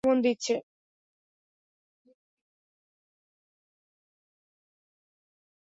এদিকে ClickBD limited নামে একটি অনলাইনভিত্তিক প্রতিষ্ঠানও তাদের ওয়েবসাইটে ইলিশ বিক্রির বিজ্ঞাপন দিচ্ছে।